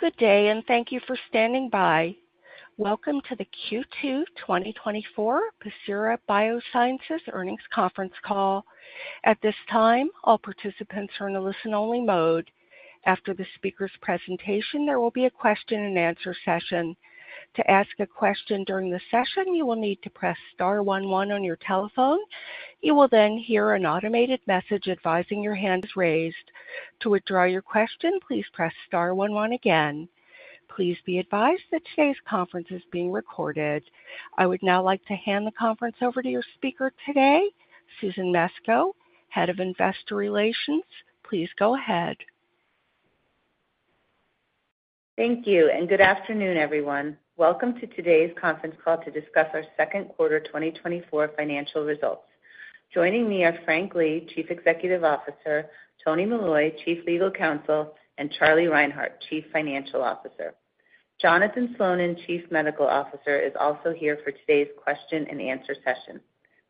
Good day, and thank you for standing by. Welcome to the Q2 2024 Pacira BioSciences earnings conference call. At this time, all participants are in a listen-only mode. After the speaker's presentation, there will be a question-and-answer session. To ask a question during the session, you will need to press star one one on your telephone. You will then hear an automated message advising your hand is raised. To withdraw your question, please press star one one again. Please be advised that today's conference is being recorded. I would now like to hand the conference over to your speaker today, Susan Mesco, Head of Investor Relations. Please go ahead. Thank you, and good afternoon, everyone. Welcome to today's conference call to discuss our second quarter 2024 financial results. Joining me are Frank Lee, Chief Executive Officer; Tony Molloy, Chief Legal Counsel; and Charlie Reinhart, Chief Financial Officer. Jonathan Slonin, Chief Medical Officer, is also here for today's question-and-answer session.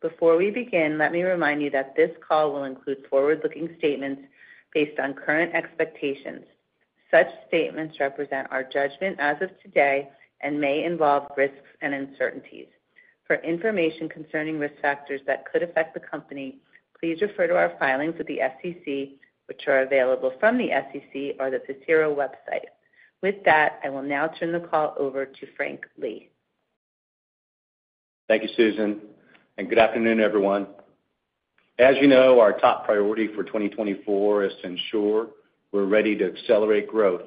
Before we begin, let me remind you that this call will include forward-looking statements based on current expectations. Such statements represent our judgment as of today and may involve risks and uncertainties. For information concerning risk factors that could affect the company, please refer to our filings with the SEC, which are available from the SEC or the Pacira website. With that, I will now turn the call over to Frank Lee. Thank you, Susan, and good afternoon, everyone. As you know, our top priority for 2024 is to ensure we're ready to accelerate growth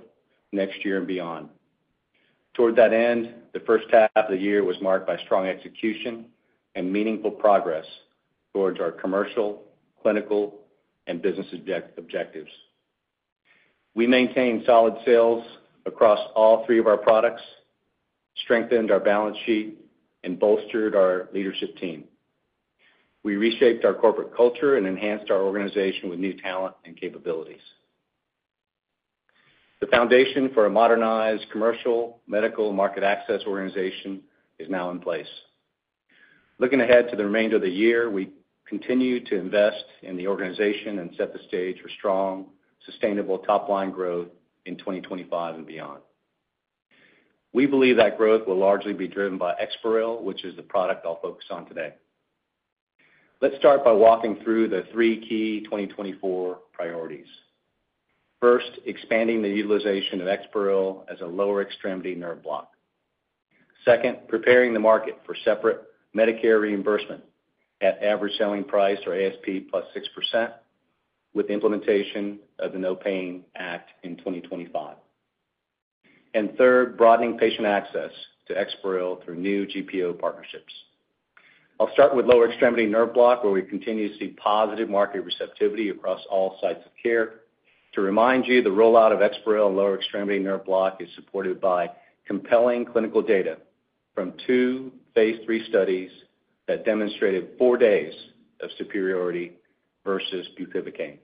next year and beyond. Toward that end, the first half of the year was marked by strong execution and meaningful progress towards our commercial, clinical, and business objectives. We maintained solid sales across all three of our products, strengthened our balance sheet, and bolstered our leadership team. We reshaped our corporate culture and enhanced our organization with new talent and capabilities. The foundation for a modernized commercial, medical, and market access organization is now in place. Looking ahead to the remainder of the year, we continue to invest in the organization and set the stage for strong, sustainable top-line growth in 2025 and beyond. We believe that growth will largely be driven by EXPAREL, which is the product I'll focus on today. Let's start by walking through the three key 2024 priorities. First, expanding the utilization of EXPAREL as a lower extremity nerve block. Second, preparing the market for separate Medicare reimbursement at average selling price, or ASP, +6%, with the implementation of the NOPAIN Act in 2025. Third, broadening patient access to EXPAREL through new GPO partnerships. I'll start with lower extremity nerve block, where we continue to see positive market receptivity across all sites of care. To remind you, the rollout of EXPAREL lower extremity nerve block is supported by compelling clinical data from two phase III studies that demonstrated four days of superiority versus bupivacaine.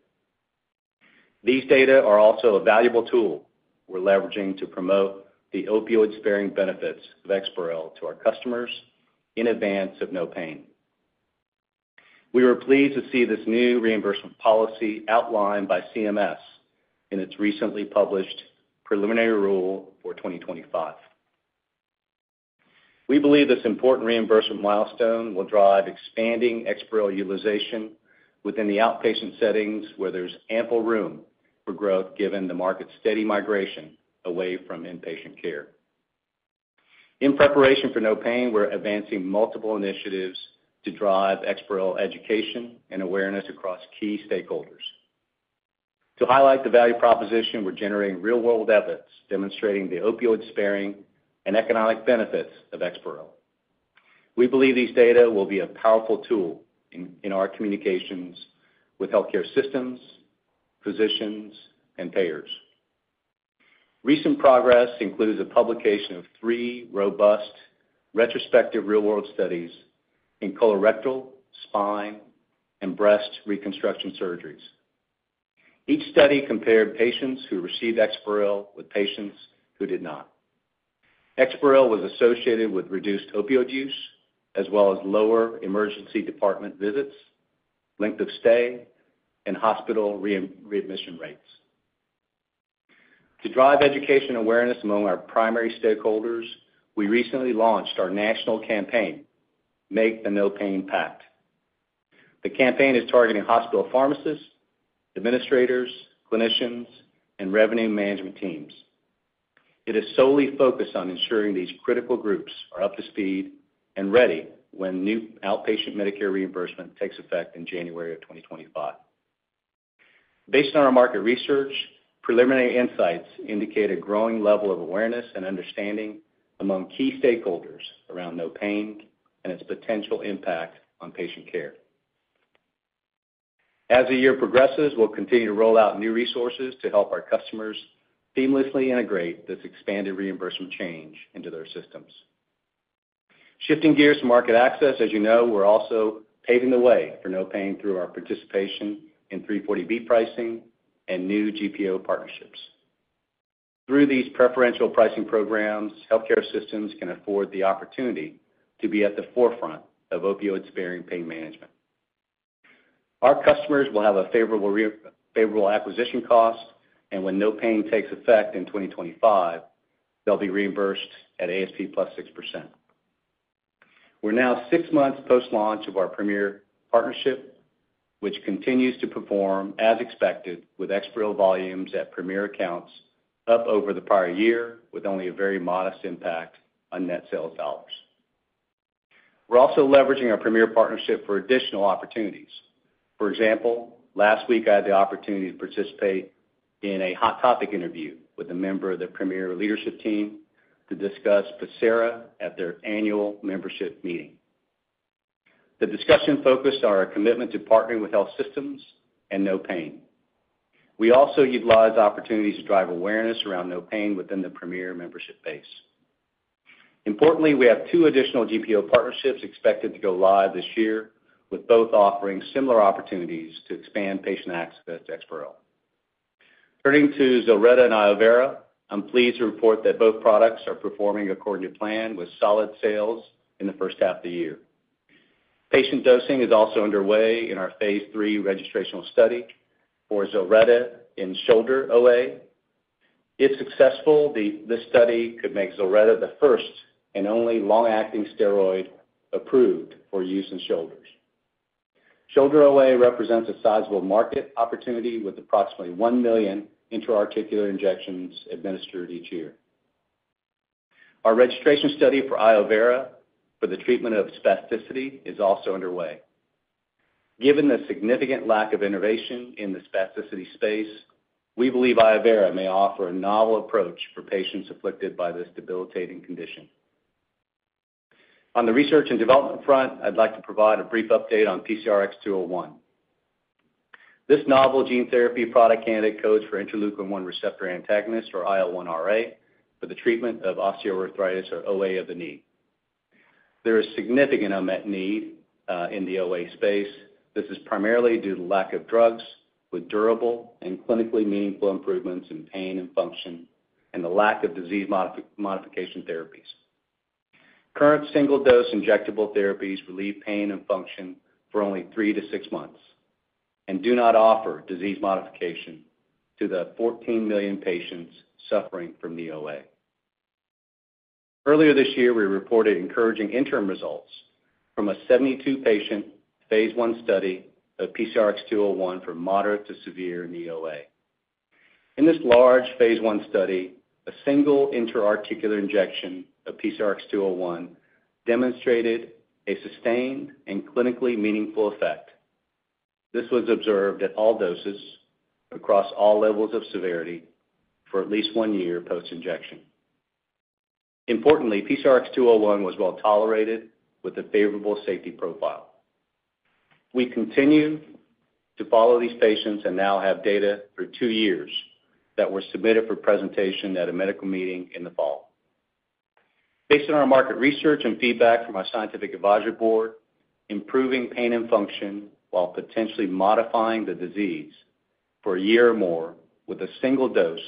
These data are also a valuable tool we're leveraging to promote the opioid-sparing benefits of EXPAREL to our customers in advance of NOPAIN. We were pleased to see this new reimbursement policy outlined by CMS in its recently published preliminary rule for 2025. We believe this important reimbursement milestone will drive expanding EXPAREL utilization within the outpatient settings, where there's ample room for growth given the market's steady migration away from inpatient care. In preparation for NOPAIN, we're advancing multiple initiatives to drive EXPAREL education and awareness across key stakeholders. To highlight the value proposition, we're generating real-world evidence demonstrating the opioid-sparing and economic benefits of EXPAREL. We believe these data will be a powerful tool in our communications with healthcare systems, physicians, and payers. Recent progress includes a publication of three robust retrospective real-world studies in colorectal, spine, and breast reconstruction surgeries. Each study compared patients who received EXPAREL with patients who did not. EXPAREL was associated with reduced opioid use, as well as lower emergency department visits, length of stay, and hospital readmission rates. To drive education awareness among our primary stakeholders, we recently launched our national campaign, Make the NOPAIN Act. The campaign is targeting hospital pharmacists, administrators, clinicians, and revenue management teams. It is solely focused on ensuring these critical groups are up to speed and ready when new outpatient Medicare reimbursement takes effect in January of 2025. Based on our market research, preliminary insights indicate a growing level of awareness and understanding among key stakeholders around NOPAIN and its potential impact on patient care. As the year progresses, we'll continue to roll out new resources to help our customers seamlessly integrate this expanded reimbursement change into their systems. Shifting gears to market access, as you know, we're also paving the way for NOPAIN through our participation in 340B pricing and new GPO partnerships. Through these preferential pricing programs, healthcare systems can afford the opportunity to be at the forefront of opioid-sparing pain management. Our customers will have a favorable acquisition cost, and NOPAIN takes effect in 2025, they'll be reimbursed at ASP +6%. We're now six months post-launch of our Premier partnership, which continues to perform as expected with EXPAREL volumes at Premier accounts up over the prior year, with only a very modest impact on net sales dollars. We're also leveraging our Premier partnership for additional opportunities. For example, last week, I had the opportunity to participate in a hot topic interview with a member of the Premier leadership team to discuss Pacira at their annual membership meeting. The discussion focused on our commitment to partnering with health systems and NOPAIN. We also utilize opportunities to drive awareness around NOPAIN within the Premier membership base. Importantly, we have two additional GPO partnerships expected to go live this year, with both offering similar opportunities to expand patient access to EXPAREL. Turning to ZILRETTA and iovera, I'm pleased to report that both products are performing according to plan with solid sales in the first half of the year. Patient dosing is also underway in our phase three registrational study for ZILRETTA in shoulder OA. If successful, this study could make ZILRETTA the first and only long-acting steroid approved for use in shoulders. Shoulder OA represents a sizable market opportunity with approximately 1 million intra-articular injections administered each year. Our registration study for iovera for the treatment of spasticity is also underway. Given the significant lack of innovation in the spasticity space, we believe iovera° may offer a novel approach for patients afflicted by this debilitating condition. On the research and development front, I'd like to provide a brief update on PCRX-201. This novel gene therapy product candidate codes for interleukin-1 receptor antagonist, or IL-1RA, for the treatment of osteoarthritis, or OA, of the knee. There is significant unmet need in the OA space. This is primarily due to the lack of drugs with durable and clinically meaningful improvements in pain and function and the lack of disease modification therapies. Current single-dose injectable therapies relieve pain and function for only three to six months and do not offer disease modification to the 14 million patients suffering from the OA. Earlier this year, we reported encouraging interim results from a 72-patientPhase I study of PCRX-201 for moderate to severe knee OA. In this large Phase I study, a single intra-articular injection of PCRX-201 demonstrated a sustained and clinically meaningful effect. This was observed at all doses across all levels of severity for at least 1 year post-injection. Importantly, PCRX-201 was well tolerated with a favorable safety profile. We continue to follow these patients and now have data for two years that were submitted for presentation at a medical meeting in the fall. Based on our market research and feedback from our scientific advisory board, improving pain and function while potentially modifying the disease for a year or more with a single dose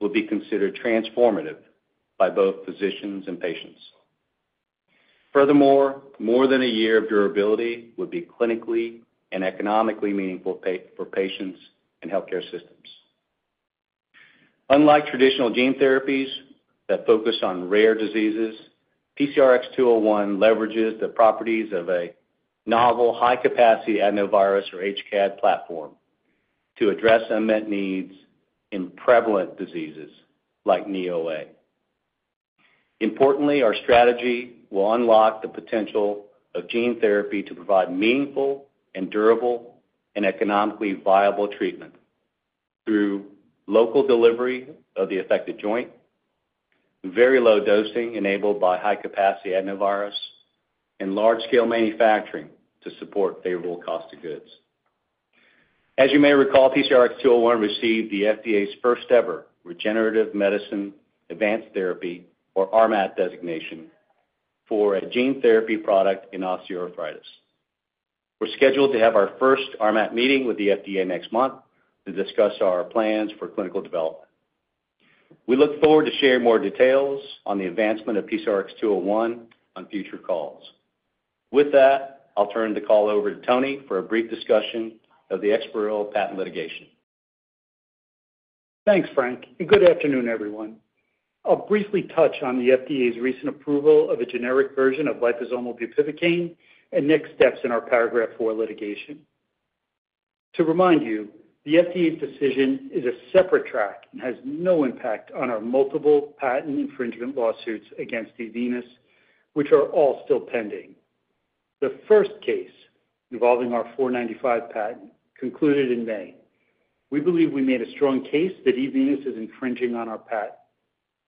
would be considered transformative by both physicians and patients. Furthermore, more than a year of durability would be clinically and economically meaningful for patients and healthcare systems. Unlike traditional gene therapies that focus on rare diseases, PCRX-201 leverages the properties of a novel high-capacity adenovirus, or HCAD, platform to address unmet needs in prevalent diseases like knee OA. Importantly, our strategy will unlock the potential of gene therapy to provide meaningful and durable and economically viable treatment through local delivery of the affected joint, very low dosing enabled by high-capacity adenovirus, and large-scale manufacturing to support favorable cost of goods. As you may recall, PCRX-201 received the FDA's first-ever regenerative medicine advanced therapy, or RMAT, designation for a gene therapy product in osteoarthritis. We're scheduled to have our first RMAT meeting with the FDA next month to discuss our plans for clinical development. We look forward to sharing more details on the advancement of PCRX-201 on future calls. With that, I'll turn the call over to Tony for a brief discussion of the EXPAREL patent litigation. Thanks, Frank. Good afternoon, everyone. I'll briefly touch on the FDA's recent approval of a generic version of liposomal bupivacaine and next steps in our Paragraph IV litigation. To remind you, the FDA's decision is a separate track and has no impact on our multiple patent infringement lawsuits against eVenus, which are all still pending. The first case involving our 495 patent concluded in May. We believe we made a strong case that eVenus is infringing on our patent.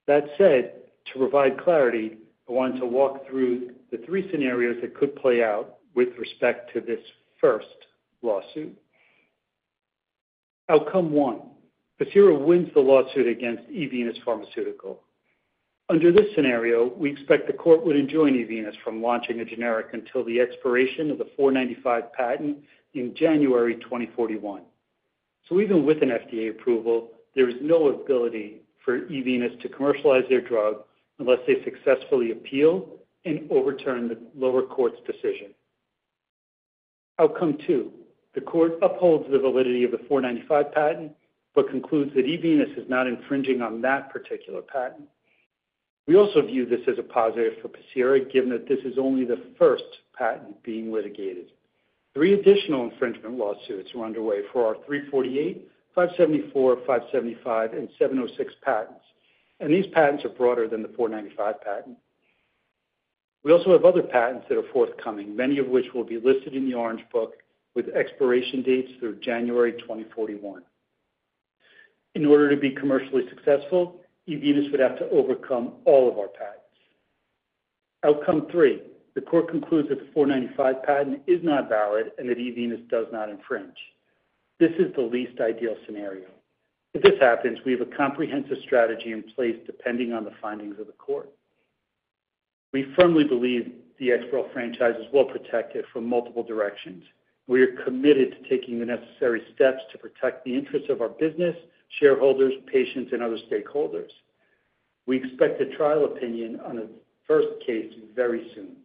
That said, to provide clarity, I want to walk through the three scenarios that could play out with respect to this first lawsuit. Outcome one: Pacira wins the lawsuit against eVenus Pharmaceutical. Under this scenario, we expect the court would enjoin eVenus from launching a generic until the expiration of the 495 patent in January 2041. So even with an FDA approval, there is no ability for eVenus to commercialize their drug unless they successfully appeal and overturn the lower court's decision. Outcome two: The court upholds the validity of the 495 patent but concludes that eVenus is not infringing on that particular patent. We also view this as a positive for Pacira, given that this is only the first patent being litigated. Three additional infringement lawsuits are underway for our 348, 574, 575, and 706 patents, and these patents are broader than the 495 patent. We also have other patents that are forthcoming, many of which will be listed in the Orange Book with expiration dates through January 2041. In order to be commercially successful, eVenus would have to overcome all of our patents. Outcome three: The court concludes that the 495 patent is not valid and that eVenus does not infringe. This is the least ideal scenario. If this happens, we have a comprehensive strategy in place depending on the findings of the court. We firmly believe the EXPAREL franchise is well protected from multiple directions. We are committed to taking the necessary steps to protect the interests of our business, shareholders, patients, and other stakeholders. We expect a trial opinion on the first case very soon.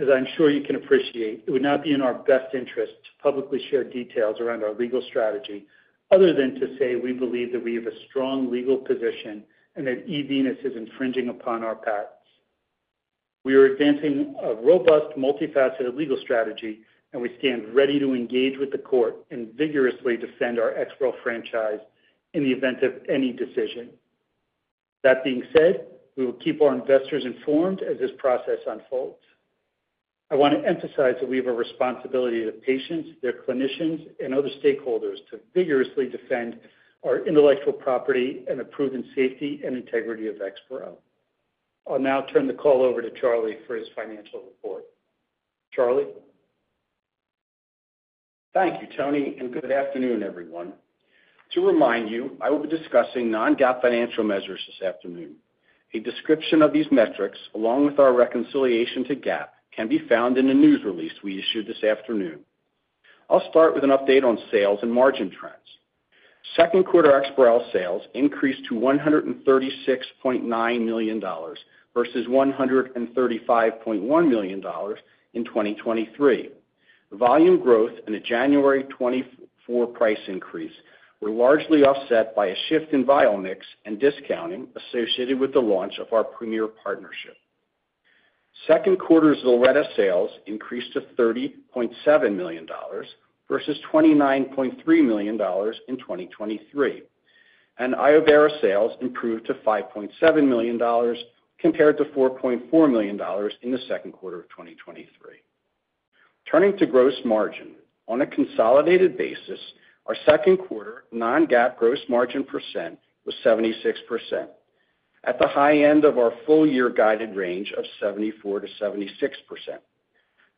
As I'm sure you can appreciate, it would not be in our best interest to publicly share details around our legal strategy other than to say we believe that we have a strong legal position and that eVenus is infringing upon our patents. We are advancing a robust, multifaceted legal strategy, and we stand ready to engage with the court and vigorously defend our EXPAREL franchise in the event of any decision. That being said, we will keep our investors informed as this process unfolds. I want to emphasize that we have a responsibility to patients, their clinicians, and other stakeholders to vigorously defend our intellectual property and the proven safety and integrity of EXPAREL. I'll now turn the call over to Charlie for his financial report. Charlie. Thank you, Tony, and good afternoon, everyone. To remind you, I will be discussing non-GAAP financial measures this afternoon. A description of these metrics, along with our reconciliation to GAAP, can be found in the news release we issued this afternoon. I'll start with an update on sales and margin trends. Second quarter EXPAREL sales increased to $136.9 million versus $135.1 million in 2023. Volume growth and a January 2024 price increase were largely offset by a shift in vial mix and discounting associated with the launch of our Premier partnership. Second quarter ZILRETTA sales increased to $30.7 million versus $29.3 million in 2023, and iovera sales improved to $5.7 million compared to $4.4 million in the second quarter of 2023. Turning to gross margin, on a consolidated basis, our second quarter non-GAAP gross margin percent was 76%, at the high end of our full-year guided range of 74%-76%,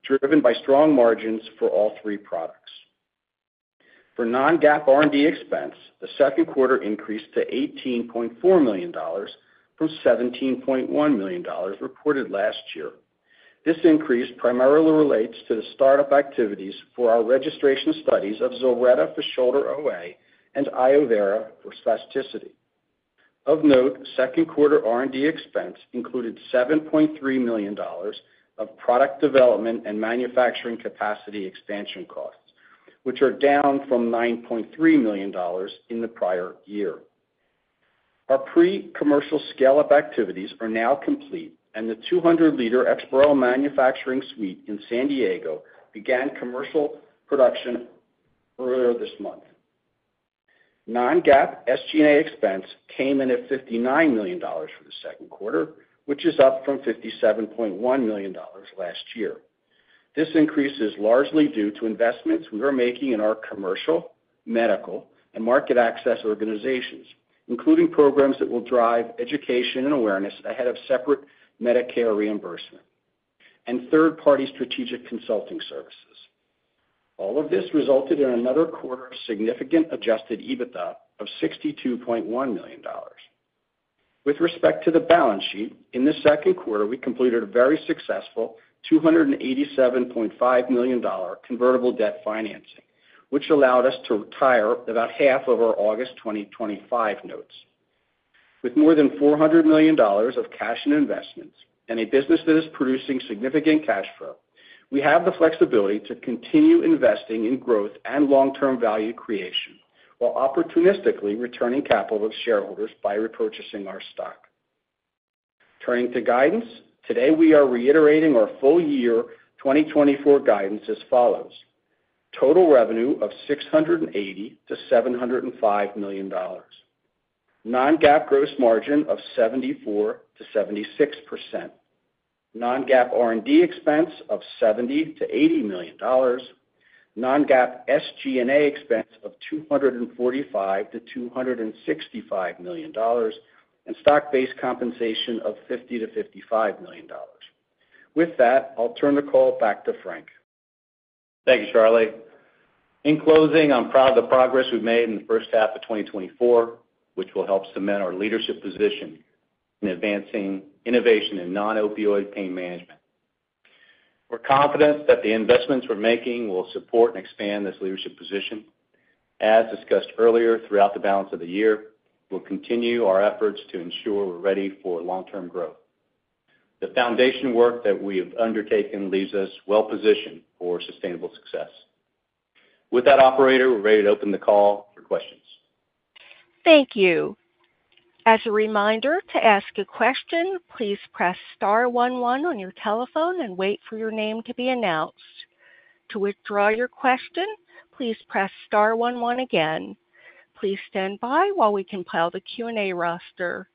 driven by strong margins for all three products. For non-GAAP R&D expense, the second quarter increased to $18.4 million from $17.1 million reported last year. This increase primarily relates to the startup activities for our registration studies of ZILRETTA for shoulder OA and iovera° for spasticity. Of note, second quarter R&D expense included $7.3 million of product development and manufacturing capacity expansion costs, which are down from $9.3 million in the prior year. Our pre-commercial scale-up activities are now complete, and the 200-liter EXPAREL manufacturing suite in San Diego began commercial production earlier this month. Non-GAAP SG&A expense came in at $59 million for the second quarter, which is up from $57.1 million last year. This increase is largely due to investments we are making in our commercial, medical, and market access organizations, including programs that will drive education and awareness ahead of separate Medicare reimbursement and third-party strategic consulting services. All of this resulted in another quarter of significant adjusted EBITDA of $62.1 million. With respect to the balance sheet, in the second quarter, we completed a very successful $287.5 million convertible debt financing, which allowed us to retire about half of our August 2025 notes. With more than $400 million of cash and investments and a business that is producing significant cash flow, we have the flexibility to continue investing in growth and long-term value creation while opportunistically returning capital to shareholders by repurchasing our stock. Turning to guidance, today we are reiterating our full year 2024 guidance as follows: total revenue of $680 million-$705 million, non-GAAP gross margin of 74%-76%, non-GAAP R&D expense of $70 million-$80 million, non-GAAP SG&A expense of $245 million-$265 million, and stock-based compensation of $50 million-$55 million. With that, I'll turn the call back to Frank. Thank you, Charlie. In closing, I'm proud of the progress we've made in the first half of 2024, which will help cement our leadership position in advancing innovation in non-opioid pain management. We're confident that the investments we're making will support and expand this leadership position. As discussed earlier throughout the balance of the year, we'll continue our efforts to ensure we're ready for long-term growth. The foundation work that we have undertaken leaves us well positioned for sustainable success. With that, operator, we're ready to open the call for questions. Thank you. As a reminder, to ask a question, please press star one one on your telephone and wait for your name to be announced. To withdraw your question, please press star one one again. Please stand by while we compile the Q&A roster.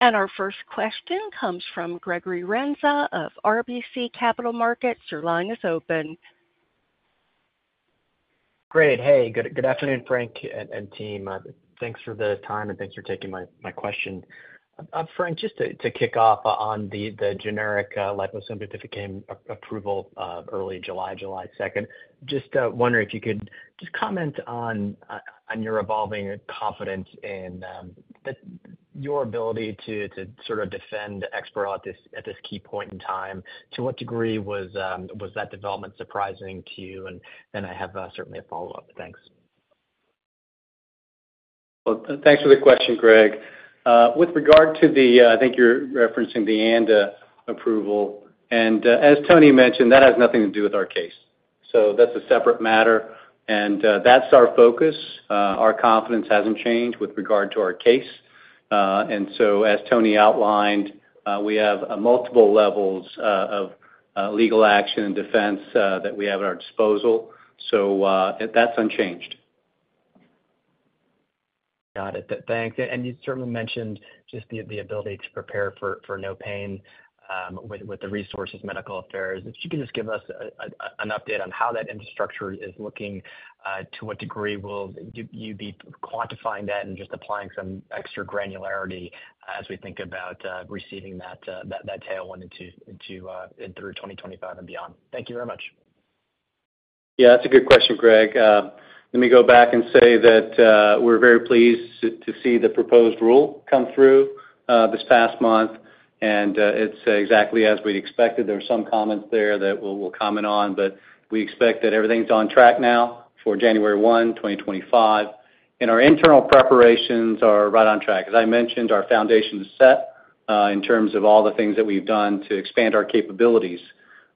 Our first question comes from Gregory Renza of RBC Capital Markets. Your line is open. Great. Hey, good afternoon, Frank and team. Thanks for the time and thanks for taking my question. Frank, just to kick off on the generic liposomal bupivacaine approval early July, July 2nd, just wondering if you could just comment on your evolving confidence in your ability to sort of defend EXPAREL at this key point in time. To what degree was that development surprising to you? And then I have certainly a follow-up. Thanks. Well, thanks for the question, Greg. With regard to the, I think you're referencing the ANDA approval. And as Tony mentioned, that has nothing to do with our case. So that's a separate matter. And that's our focus. Our confidence hasn't changed with regard to our case. And so as Tony outlined, we have multiple levels of legal action and defense that we have at our disposal. So that's unchanged. Got it. Thanks. You certainly mentioned just the ability to prepare for NOPAIN with the resources, medical affairs. If you could just give us an update on how that infrastructure is looking, to what degree will you be quantifying that and just applying some extra granularity as we think about receiving that tailwind into 2025 and beyond. Thank you very much. Yeah, that's a good question, Greg. Let me go back and say that we're very pleased to see the proposed rule come through this past month. It's exactly as we expected. There were some comments there that we'll comment on, but we expect that everything's on track now for January 1, 2025. Our internal preparations are right on track. As I mentioned, our foundation is set in terms of all the things that we've done to expand our capabilities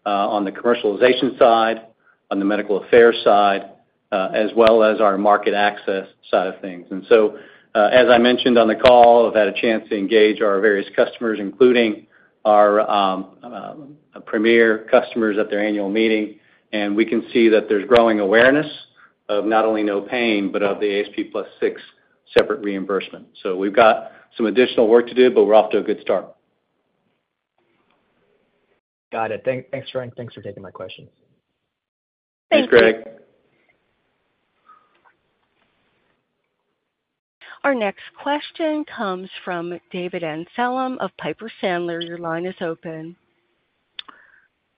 on the commercialization side, on the medical affairs side, as well as our market access side of things. So, as I mentioned on the call, I've had a chance to engage our various customers, including our Premier customers at their annual meeting. We can see that there's growing awareness of not only NOPAIN, but of the ASP plus six separate reimbursement. We've got some additional work to do, but we're off to a good start. Got it. Thanks, Frank. Thanks for taking my questions. Thank you. Thanks, Greg. Our next question comes from David Amsellem of Piper Sandler. Your line is open.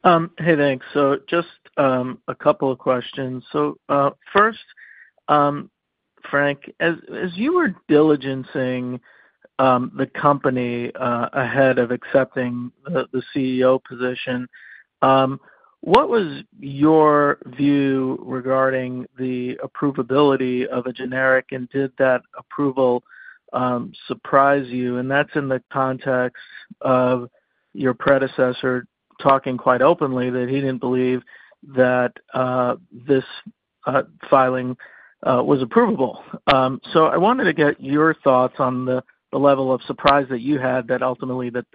Hey, thanks. So just a couple of questions. So first, Frank, as you were diligencing the company ahead of accepting the CEO position, what was your view regarding the approvability of a generic? And did that approval surprise you? And that's in the context of your predecessor talking quite openly that he didn't believe that this filing was approvable. So I wanted to get your thoughts on the level of surprise that you had that ultimately that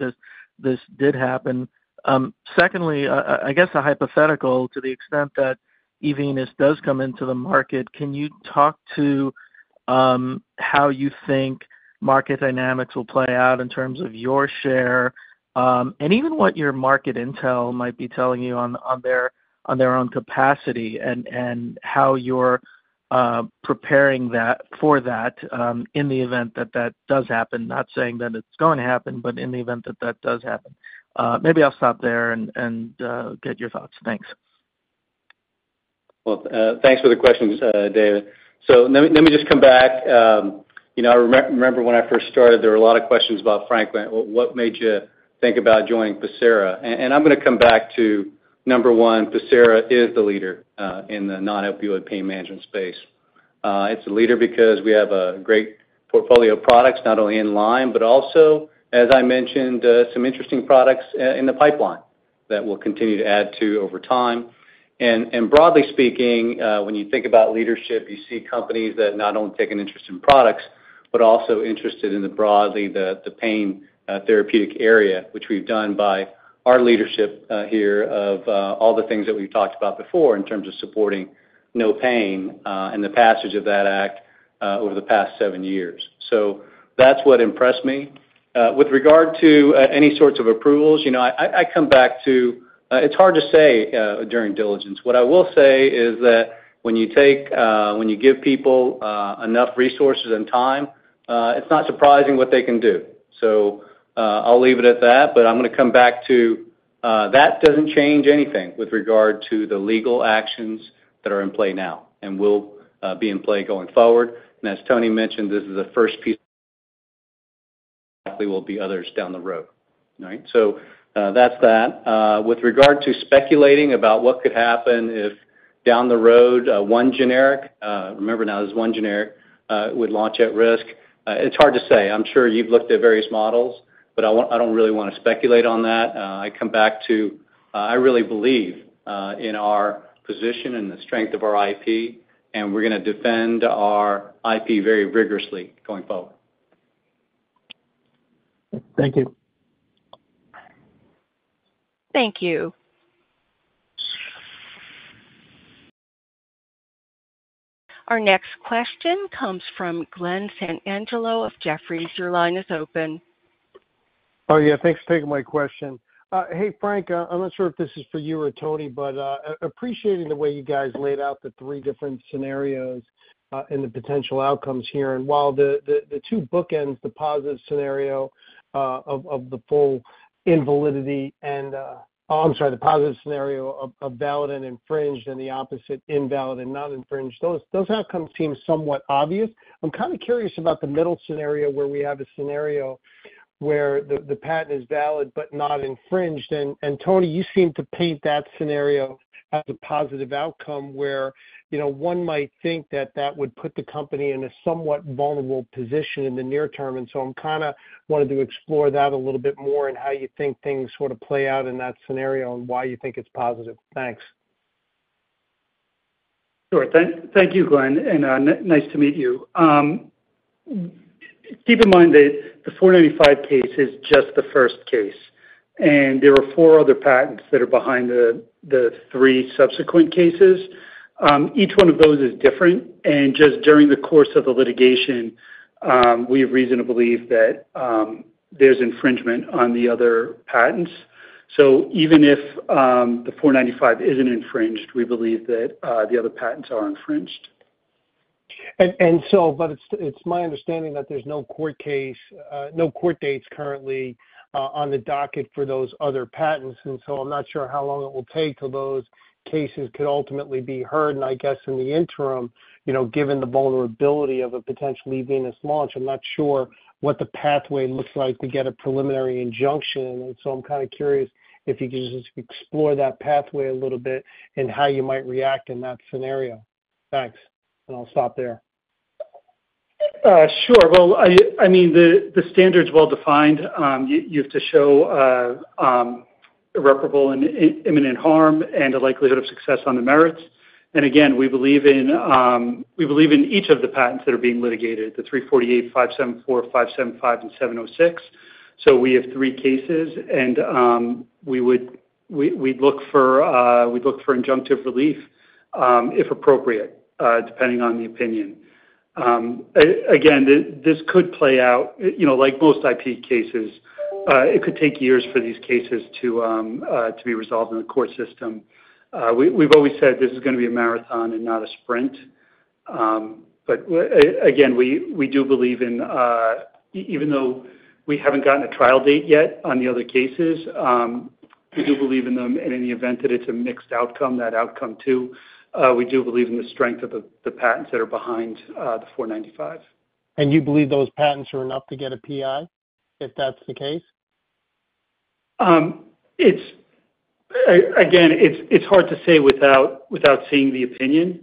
this did happen. Secondly, I guess a hypothetical, to the extent that eVenus does come into the market, can you talk to how you think market dynamics will play out in terms of your share and even what your market intel might be telling you on their own capacity and how you're preparing for that in the event that that does happen? Not saying that it's going to happen, but in the event that that does happen, maybe I'll stop there and get your thoughts. Thanks. Well, thanks for the questions, David. So let me just come back. I remember when I first started, there were a lot of questions about, Frank, what made you think about joining Pacira? And I'm going to come back to number one, Pacira is the leader in the non-opioid pain management space. It's a leader because we have a great portfolio of products, not only in line, but also, as I mentioned, some interesting products in the pipeline that we'll continue to add to over time. And broadly speaking, when you think about leadership, you see companies that not only take an interest in products, but also interested in broadly the pain therapeutic area, which we've done by our leadership here of all the things that we've talked about before in terms of supporting NOPAIN and the passage of that act over the past seven years. So that's what impressed me. With regard to any sorts of approvals, I come back to it's hard to say during diligence. What I will say is that when you give people enough resources and time, it's not surprising what they can do. So I'll leave it at that, but I'm going to come back to that doesn't change anything with regard to the legal actions that are in play now and will be in play going forward. And as Tony mentioned, this is the first piece that will be others down the road. All right? So that's that. With regard to speculating about what could happen if down the road one generic (remember, now there's one generic) would launch at risk, it's hard to say. I'm sure you've looked at various models, but I don't really want to speculate on that. I come back to, I really believe in our position and the strength of our IP, and we're going to defend our IP very rigorously going forward. Thank you. Thank you. Our next question comes from Glen Santangelo of Jefferies. Your line is open. Oh, yeah. Thanks for taking my question. Hey, Frank, I'm not sure if this is for you or Tony, but appreciating the way you guys laid out the three different scenarios and the potential outcomes here. And while the two bookends, the positive scenario of the full invalidity and, oh, I'm sorry, the positive scenario of valid and infringed and the opposite, invalid and not infringed, those outcomes seem somewhat obvious. I'm kind of curious about the middle scenario where we have a scenario where the patent is valid but not infringed. And Tony, you seem to paint that scenario as a positive outcome where one might think that that would put the company in a somewhat vulnerable position in the near term. And so I'm kind of wanting to explore that a little bit more and how you think things sort of play out in that scenario and why you think it's positive. Thanks. Sure. Thank you, Glen. Nice to meet you. Keep in mind that the 495 case is just the first case. There are four other patents that are behind the three subsequent cases. Each one of those is different. Just during the course of the litigation, we have reason to believe that there's infringement on the other patents. Even if the 495 isn't infringed, we believe that the other patents are infringed. But it's my understanding that there's no court dates currently on the docket for those other patents. I'm not sure how long it will take till those cases could ultimately be heard. I guess in the interim, given the vulnerability of a potential eVenus launch, I'm not sure what the pathway looks like to get a preliminary injunction. I'm kind of curious if you could just explore that pathway a little bit and how you might react in that scenario. Thanks. I'll stop there. Sure. Well, I mean, the standard's well defined. You have to show irreparable and imminent harm and a likelihood of success on the merits. And again, we believe in each of the patents that are being litigated, the 348, 574, 575, and 706. So we have three cases. And we'd look for injunctive relief if appropriate, depending on the opinion. Again, this could play out like most IP cases. It could take years for these cases to be resolved in the court system. We've always said this is going to be a marathon and not a sprint. But again, we do believe in, even though we haven't gotten a trial date yet on the other cases, we do believe in them. And in the event that it's a mixed outcome, that outcome too, we do believe in the strength of the patents that are behind the 495. You believe those patents are enough to get a PI if that's the case? Again, it's hard to say without seeing the opinion.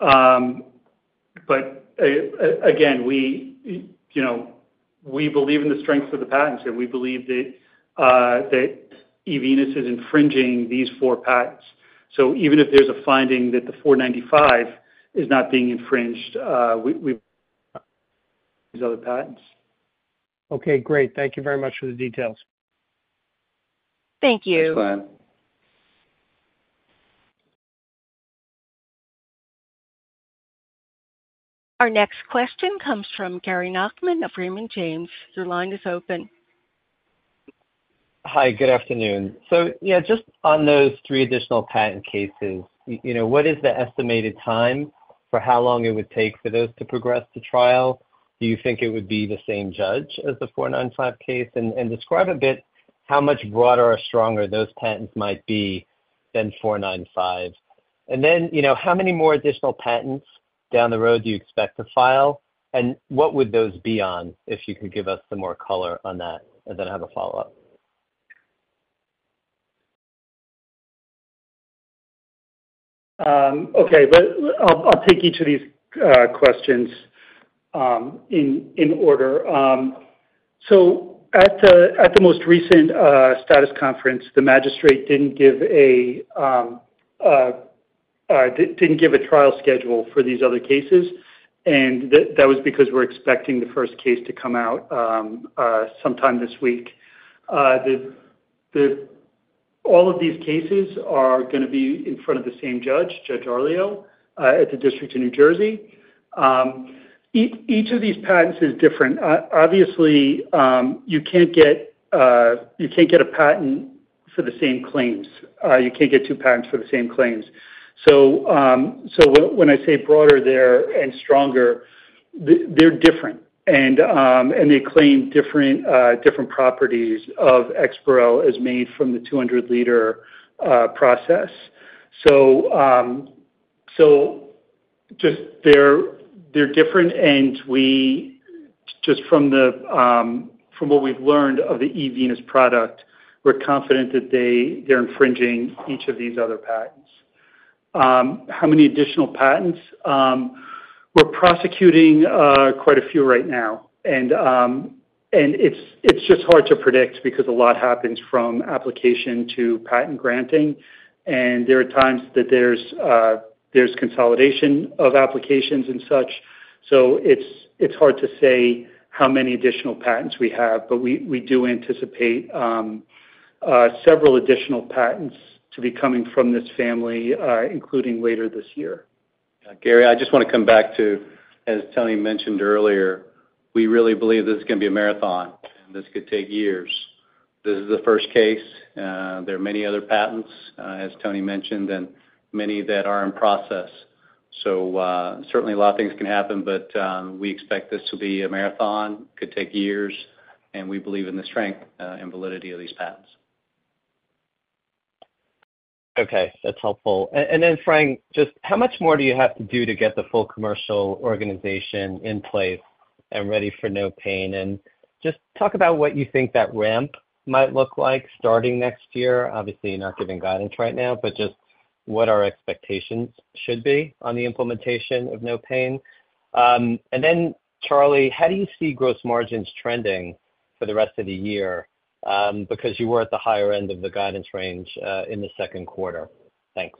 But again, we believe in the strength of the patents. We believe that eVenus is infringing these four patents. So even if there's a finding that the 495 is not being infringed, we believe in these other patents. Okay. Great. Thank you very much for the details. Thank you. Thanks, Glenn. Our next question comes from Gary Nachman of Raymond James. Your line is open. Hi. Good afternoon. So yeah, just on those three additional patent cases, what is the estimated time for how long it would take for those to progress to trial? Do you think it would be the same judge as the 495 case? And describe a bit how much broader or stronger those patents might be than 495. And then how many more additional patents down the road do you expect to file? And what would those be on if you could give us some more color on that? And then I have a follow-up. Okay. But I'll take each of these questions in order. So at the most recent status conference, the magistrate didn't give a trial schedule for these other cases. And that was because we're expecting the first case to come out sometime this week. All of these cases are going to be in front of the same judge, Judge Arleo at the District of New Jersey. Each of these patents is different. Obviously, you can't get a patent for the same claims. You can't get two patents for the same claims. So when I say broader there and stronger, they're different. And they claim different properties of EXPAREL as made from the 200-liter process. So just they're different. And just from what we've learned of the eVenus product, we're confident that they're infringing each of these other patents. How many additional patents? We're prosecuting quite a few right now. It's just hard to predict because a lot happens from application to patent granting. There are times that there's consolidation of applications and such. It's hard to say how many additional patents we have. We do anticipate several additional patents to be coming from this family, including later this year. Gary, I just want to come back to, as Tony mentioned earlier, we really believe this is going to be a marathon. This could take years. This is the first case. There are many other patents, as Tony mentioned, and many that are in process. So certainly, a lot of things can happen, but we expect this to be a marathon. It could take years. We believe in the strength and validity of these patents. Okay. That's helpful. Then, Frank, just how much more do you have to do to get the full commercial organization in place and ready for NOPAIN? Just talk about what you think that ramp might look like starting next year. Obviously, you're not giving guidance right now, but just what our expectations should be on the implementation of NOPAIN. And then, Charlie, how do you see gross margins trending for the rest of the year? Because you were at the higher end of the guidance range in the second quarter. Thanks.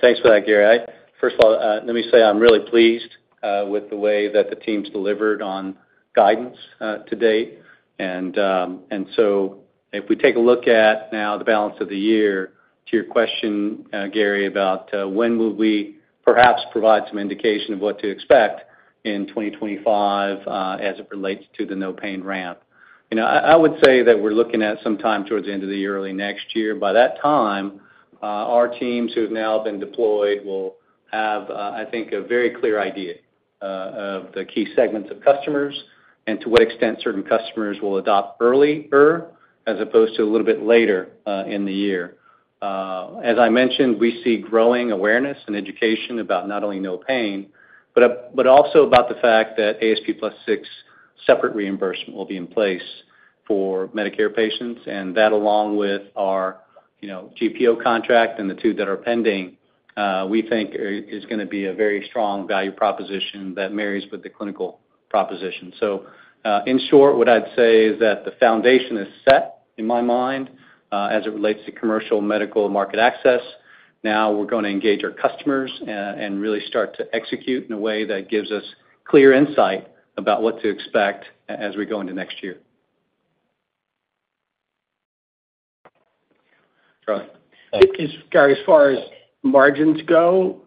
Thanks for that, Gary. First of all, let me say I'm really pleased with the way that the team's delivered on guidance to date. So if we take a look at now the balance of the year, to your question, Gary, about when will we perhaps provide some indication of what to expect in 2025 as it relates to the NOPAIN ramp? I would say that we're looking at some time towards the end of the year, early next year. By that time, our teams who have now been deployed will have, I think, a very clear idea of the key segments of customers and to what extent certain customers will adopt earlier as opposed to a little bit later in the year. As I mentioned, we see growing awareness and education about not only NOPAIN, but also about the fact that ASP+6 separate reimbursement will be in place for Medicare patients. And that, along with our GPO contract and the two that are pending, we think is going to be a very strong value proposition that marries with the clinical proposition. So in short, what I'd say is that the foundation is set in my mind as it relates to commercial medical market access. Now we're going to engage our customers and really start to execute in a way that gives us clear insight about what to expect as we go into next year. Charlie. Gary, as far as margins go,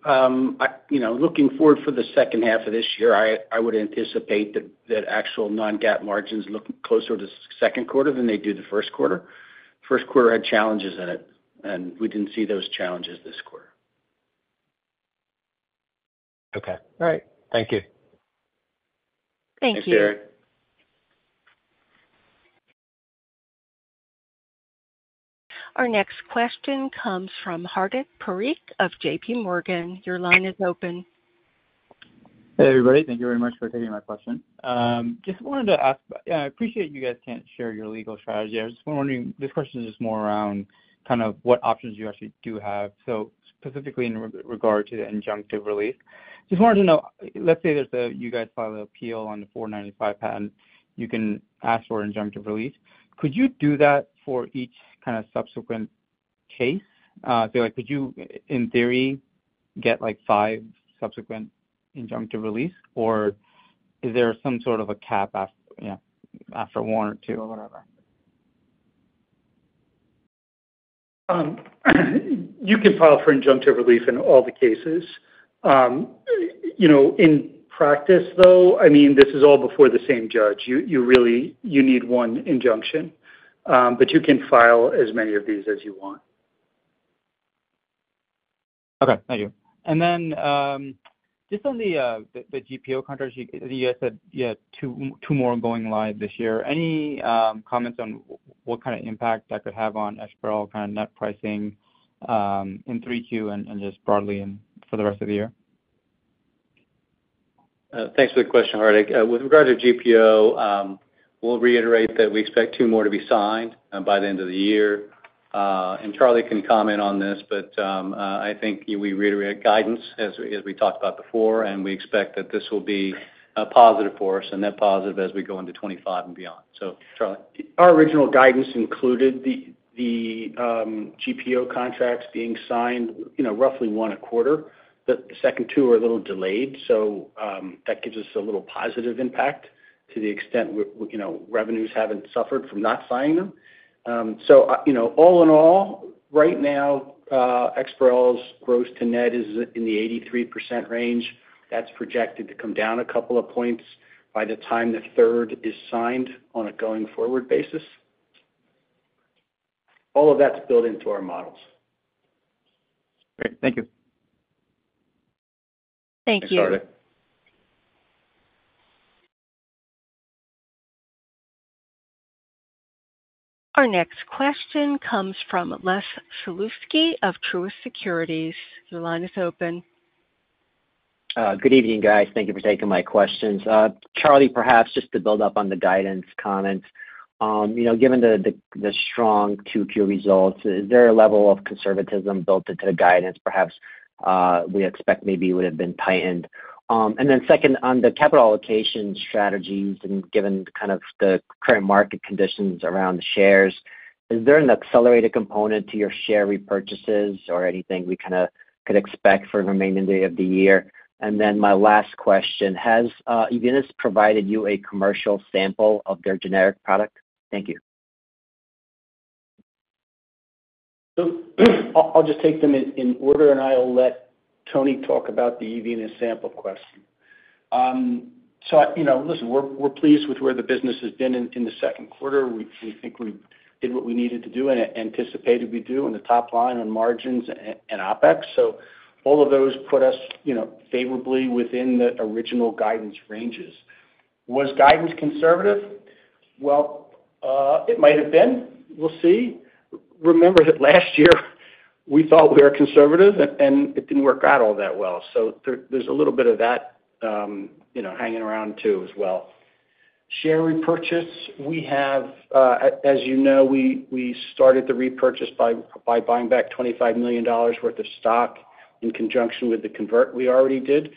looking forward for the second half of this year, I would anticipate that actual non-GAAP margins look closer to the second quarter than they do the first quarter. First quarter had challenges in it. We didn't see those challenges this quarter. Okay. All right. Thank you. Thank you. Thanks, Gary. Our next question comes from Hardik Parikh of JPMorgan. Your line is open. Hey, everybody. Thank you very much for taking my question. Just wanted to ask about. I appreciate you guys can't share your legal strategy. I was just wondering, this question is just more around kind of what options you actually do have. So specifically in regard to the injunctive release, just wanted to know, let's say you guys file an appeal on the 495 patent, you can ask for injunctive release. Could you do that for each kind of subsequent case? So could you, in theory, get five subsequent injunctive releases? Or is there some sort of a cap after one or two or whatever? You can file for injunctive relief in all the cases. In practice, though, I mean, this is all before the same judge. You need one injunction. But you can file as many of these as you want. Okay. Thank you. And then just on the GPO contracts, you guys said you had two more going live this year. Any comments on what kind of impact that could have on EXPAREL kind of net pricing in 3Q and just broadly for the rest of the year? Thanks for the question, Hardik. With regard to GPO, we'll reiterate that we expect two more to be signed by the end of the year. And Charlie can comment on this, but I think we reiterate guidance as we talked about before. And we expect that this will be a positive for us and net positive as we go into 2025 and beyond. So, Charlie. Our original guidance included the GPO contracts being signed roughly one quarter. The second two are a little delayed. So that gives us a little positive impact to the extent revenues haven't suffered from not signing them. So all in all, right now, EXPAREL's gross to net is in the 83% range. That's projected to come down a couple of points by the time the third is signed on a going-forward basis. All of that's built into our models. Great. Thank you. Thank you. Thanks, Hardik. Our next question comes from Les Sulewski of Truist Securities. Your line is open. Good evening, guys. Thank you for taking my questions. Charlie, perhaps just to build up on the guidance comments, given the strong 2Q results, is there a level of conservatism built into the guidance? Perhaps we expect maybe it would have been tightened. And then second, on the capital allocation strategies and given kind of the current market conditions around the shares, is there an accelerated component to your share repurchases or anything we kind of could expect for the remaining day of the year? And then my last question, has eVenus provided you a commercial sample of their generic product? Thank you. I'll just take them in order. I'll let Tony talk about the eVenus sample question. Listen, we're pleased with where the business has been in the second quarter. We think we did what we needed to do and anticipated we do on the top line on margins and OpEx. All of those put us favorably within the original guidance ranges. Was guidance conservative? Well, it might have been. We'll see. Remember that last year, we thought we were conservative, and it didn't work out all that well. There's a little bit of that hanging around too as well. Share repurchase, we have, as you know, we started the repurchase by buying back $25 million worth of stock in conjunction with the convert we already did.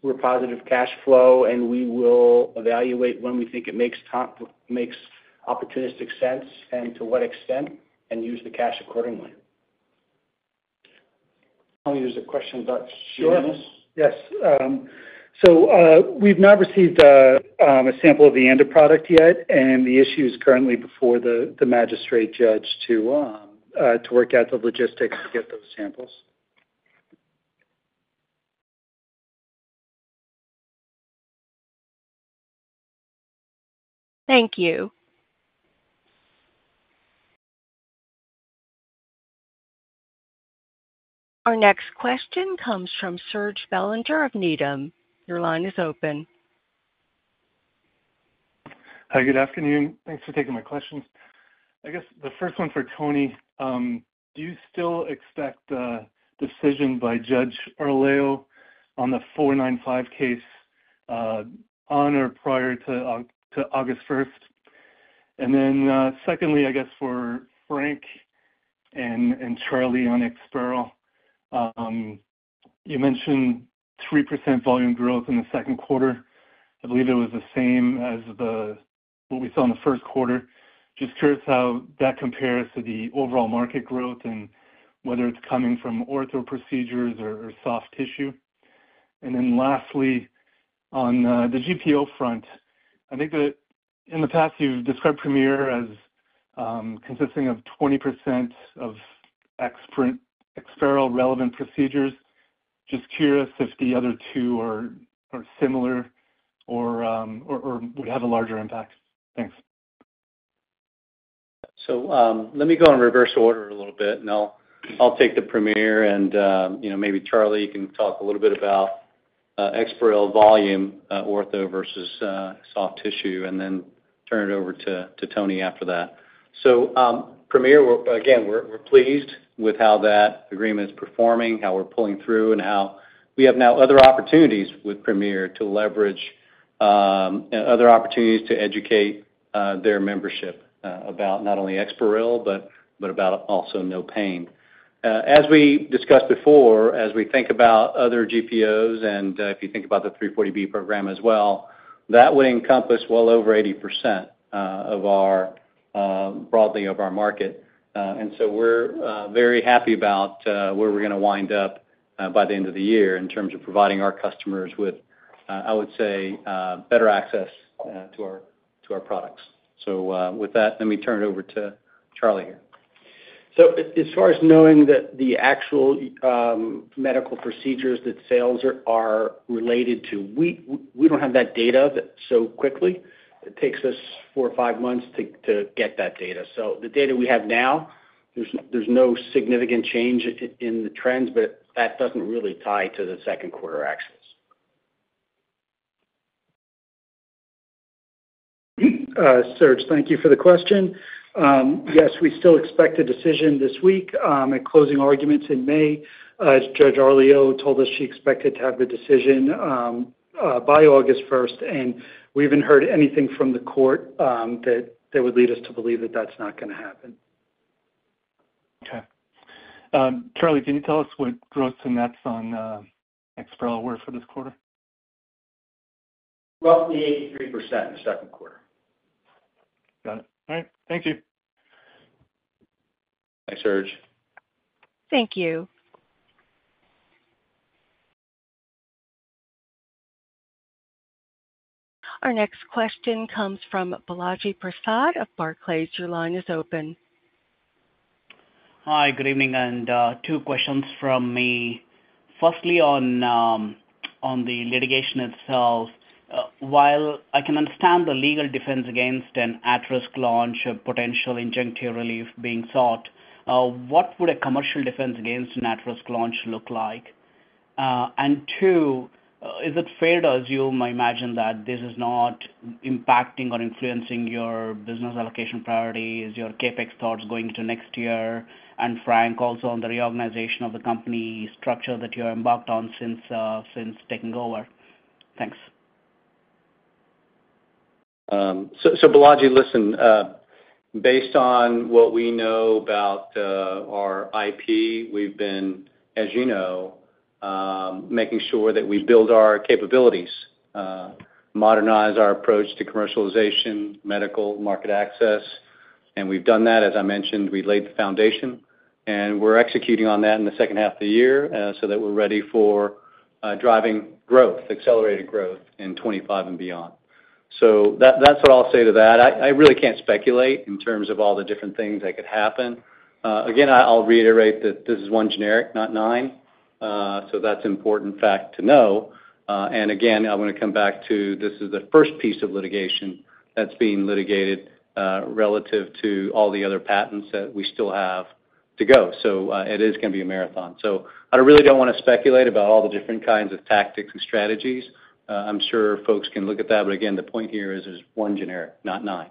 We're positive cash flow, and we will evaluate when we think it makes opportunistic sense and to what extent and use the cash accordingly. Tony, there's a question about samples. Yes. So we've not received a sample of the ANDA product yet. And the issue is currently before the magistrate judge to work out the logistics to get those samples. Thank you. Our next question comes from Serge Belanger of Needham. Your line is open. Hi. Good afternoon. Thanks for taking my questions. I guess the first one for Tony, do you still expect the decision by Judge Arleo on the 495 case on or prior to August 1st? And then secondly, I guess for Frank and Charlie on EXPAREL, you mentioned 3% volume growth in the second quarter. I believe it was the same as what we saw in the first quarter. Just curious how that compares to the overall market growth and whether it's coming from ortho procedures or soft tissue. And then lastly, on the GPO front, I think that in the past, you've described Premier as consisting of 20% of EXPAREL relevant procedures. Just curious if the other two are similar or would have a larger impact. Thanks. So let me go in reverse order a little bit. And I'll take the Premier. And maybe Charlie, you can talk a little bit about EXPAREL volume, ortho versus soft tissue, and then turn it over to Tony after that. So Premier, again, we're pleased with how that agreement is performing, how we're pulling through, and how we have now other opportunities with Premier to leverage and other opportunities to educate their membership about not only EXPAREL, but about also NOPAIN. As we discussed before, as we think about other GPOs and if you think about the 340B program as well, that would encompass well over 80% broadly of our market. And so we're very happy about where we're going to wind up by the end of the year in terms of providing our customers with, I would say, better access to our products. With that, let me turn it over to Charlie here. So, as far as knowing that the actual medical procedures that sales are related to, we don't have that data so quickly. It takes us four or five months to get that data. So the data we have now, there's no significant change in the trends, but that doesn't really tie to the second quarter access. Serge, thank you for the question. Yes, we still expect a decision this week at closing arguments in May. Judge Arleo told us she expected to have the decision by August 1st. We haven't heard anything from the court that would lead us to believe that that's not going to happen. Okay. Charlie, can you tell us what gross to nets on EXPAREL were for this quarter? Roughly 83% in the second quarter. Got it. All right. Thank you. Thanks, Serge. Thank you. Our next question comes from Balaji Prasad of Barclays. Your line is open. Hi. Good evening. Two questions from me. Firstly, on the litigation itself, while I can understand the legal defense against an at-risk launch of potential injunctive relief being sought, what would a commercial defense against an at-risk launch look like? Two, is it fair to assume, I imagine, that this is not impacting or influencing your business allocation priorities, your CapEx thoughts going into next year? Frank, also on the reorganization of the company structure that you're embarked on since taking over? Thanks. So Balaji, listen, based on what we know about our IP, we've been, as you know, making sure that we build our capabilities, modernize our approach to commercialization, medical market access. And we've done that. As I mentioned, we laid the foundation. And we're executing on that in the second half of the year so that we're ready for driving growth, accelerated growth in 2025 and beyond. So that's what I'll say to that. I really can't speculate in terms of all the different things that could happen. Again, I'll reiterate that this is one generic, not nine. So that's an important fact to know. And again, I want to come back to this is the first piece of litigation that's being litigated relative to all the other patents that we still have to go. So it is going to be a marathon. I really don't want to speculate about all the different kinds of tactics and strategies. I'm sure folks can look at that. Again, the point here is there's one generic, not nine.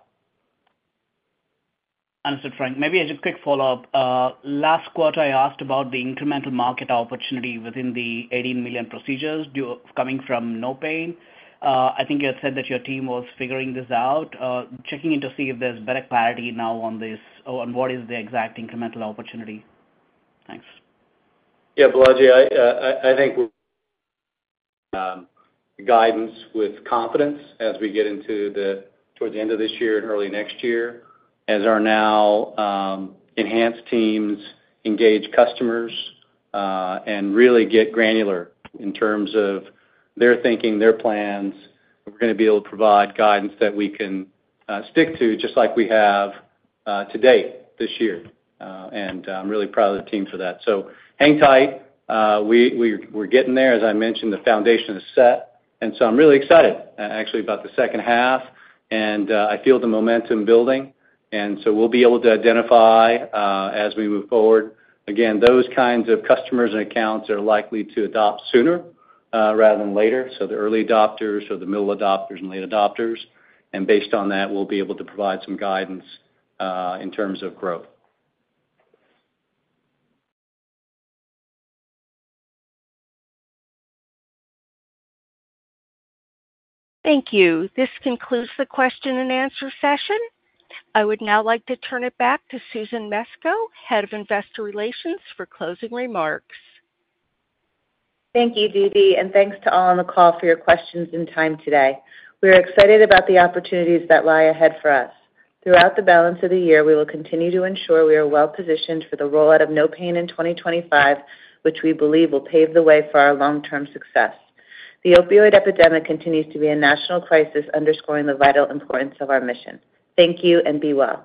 Thanks for the time. Maybe a quick follow-up. Last quarter, I asked about the incremental market opportunity within the 18 million procedures coming from NOPAIN. I think you had said that your team was figuring this out, checking in to see if there's better clarity now on this, on what is the exact incremental opportunity. Thanks. Yeah. Balaji, I think guidance with confidence as we get into towards the end of this year and early next year, as our now enhanced teams engage customers and really get granular in terms of their thinking, their plans, we're going to be able to provide guidance that we can stick to just like we have to date this year. And I'm really proud of the team for that. So hang tight. We're getting there. As I mentioned, the foundation is set. And so I'm really excited, actually, about the second half. And I feel the momentum building. And so we'll be able to identify, as we move forward, again, those kinds of customers and accounts that are likely to adopt sooner rather than later. So the early adopters or the middle adopters and late adopters. Based on that, we'll be able to provide some guidance in terms of growth. Thank you. This concludes the question-and-answer session. I would now like to turn it back to Susan Mesco, Head of Investor Relations, for closing remarks. Thank you, Deedee. Thanks to all on the call for your questions and time today. We are excited about the opportunities that lie ahead for us. Throughout the balance of the year, we will continue to ensure we are well positioned for the rollout of NOPAIN in 2025, which we believe will pave the way for our long-term success. The opioid epidemic continues to be a national crisis, underscoring the vital importance of our mission. Thank you and be well.